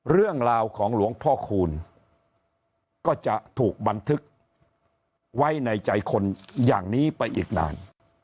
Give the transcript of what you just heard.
เรื่องราวของหลวงพ่อคูณก็จะถูกบันทึกไว้ในใจคนอย่างนี้ไปอีกนาน